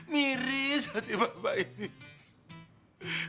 miris hati bapak ini